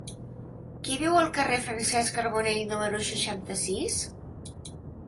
Qui viu al carrer de Francesc Carbonell número seixanta-sis?